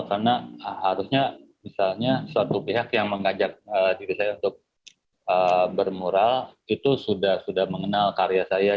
karena harusnya misalnya suatu pihak yang mengajak diri saya untuk bermural itu sudah mengenal karya saya